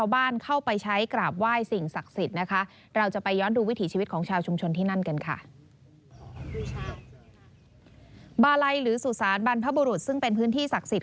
บาลัยหรือสุสานบรรพบุรุษซึ่งเป็นพื้นที่ศักดิ์สิทธิ